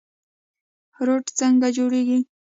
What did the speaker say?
روټ څنګه جوړیږي؟